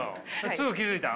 すぐ気付いた？